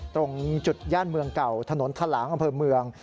ตรงจุดย่านเมืองเก่าถนนทะหลางอำเภอเมือง